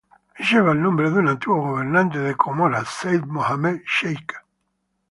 Lleva el nombre de un antiguo gobernante de Comoras, Said Mohamed Cheikh.